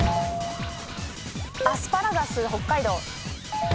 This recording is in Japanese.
アスパラガス北海道。